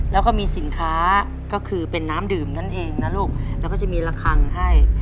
แล้วก็มีสินค้าก็คือเป็นน้ำดื่มนั่นเองนะลูกแล้วก็จะมีระคังให้